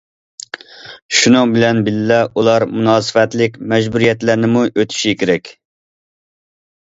شۇنىڭ بىلەن بىللە، ئۇلار مۇناسىۋەتلىك مەجبۇرىيەتلەرنىمۇ ئۆتۈشى كېرەك.